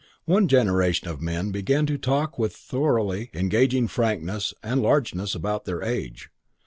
One generation of men began to talk with thoroughly engaging frankness and largeness about their age.